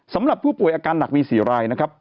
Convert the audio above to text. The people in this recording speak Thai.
สำหรับผู้ป่วยอาการหนักมี๔รายนะครับ